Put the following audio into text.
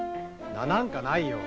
名なんかないよ。